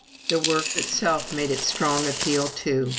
The work itself made its strong appeal, too.